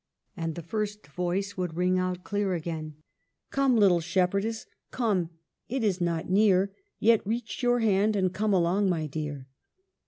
And the first voice would ring out clear again, —" Come, little shepherdess, come ; it is not near; Yet reach your hand and come along, my dear."